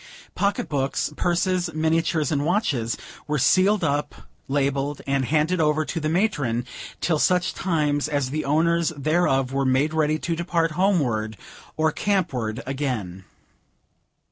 Pocket books, purses, miniatures, and watches, were sealed up, labelled, and handed over to the matron, till such times as the owners thereof were ready to depart homeward or campward again.